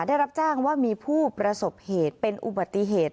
ได้รับแจ้งว่ามีผู้ประสบเหตุเป็นอุบัติเหตุ